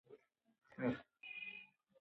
تاسو د ټولنپوهنې ټول کاري اړخونه ارزوي؟